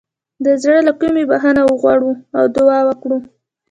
د زړه له کومې بخښنه وغواړو او دعا وکړو.